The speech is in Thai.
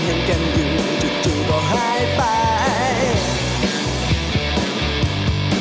เห็นเกินอยู่จุดจุดก็หายไป